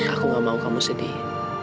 aku gak mau kamu sedih